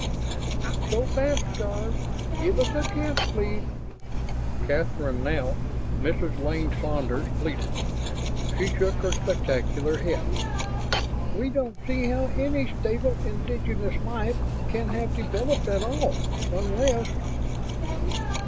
"Not so fast, Jarve; give us a chance, please!" Kathryn, now Mrs. Lane Saunders, pleaded. She shook her spectacular head. "We don't see how any stable indigenous life can have developed at all, unless